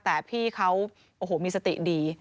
แต่พี่เขาโอ้โหมีสติดี